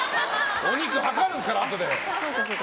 お肉量るんですから、あとで！